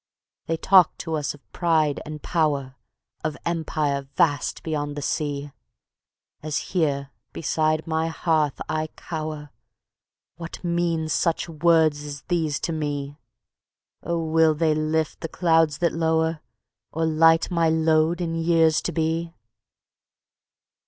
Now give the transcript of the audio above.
They talk to us of pride and power, Of Empire vast beyond the sea; As here beside my hearth I cower, What mean such words as these to me? Oh, will they lift the clouds that low'r, Or light my load in years to be?